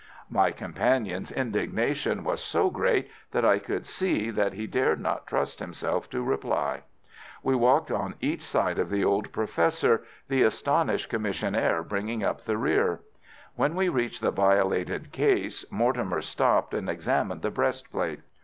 My companion's indignation was so great that I could see that he dared not trust himself to reply. We walked on each side of the old Professor, the astonished commissionaire bringing up the rear. When we reached the violated case, Mortimer stopped and examined the breastplate.